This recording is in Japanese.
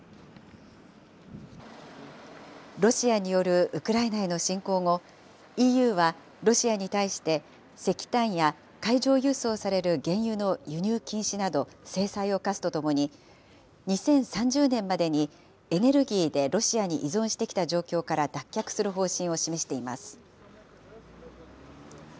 ロシアによるウクライナへの侵攻後、ＥＵはロシアに対して、石炭や海上輸送される原油の輸入禁止など、制裁を科すとともに、２０３０年までにエネルギーでロシアに依存してきた状況から脱却する方針を示しています。